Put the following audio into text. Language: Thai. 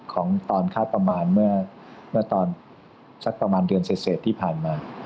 ของตอนคาดประมาณเมื่อตอนสักประมาณเดือนเสร็จที่ผ่านมา